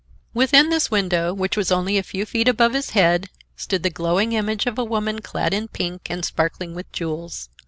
Within this window, which was only a few feet above his head, stood the glowing image of a woman clad in pink and sparkling with jewels.